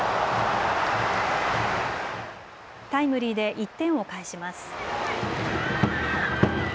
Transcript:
タイムリーで１点を返します。